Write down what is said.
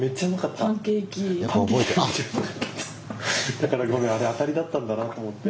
だからごめんあれ当たりだったんだなと思って。